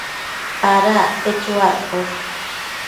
Ada acte chuaccosh